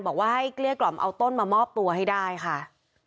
บอกว่าให้เกลี้ยกล่อมเอาต้นมามอบตัวให้ได้ค่ะ